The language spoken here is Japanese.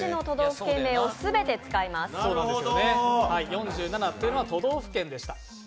４７っていうのは都道府県でした。